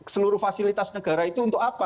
seluruh fasilitas negara itu untuk apa